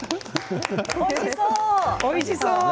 おいしそう。